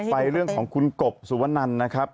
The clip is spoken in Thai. ไปเรื่องของคุณกบสุวนันนะครับ